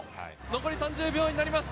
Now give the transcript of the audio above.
残り３０秒になります。